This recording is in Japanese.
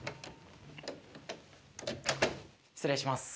失礼します。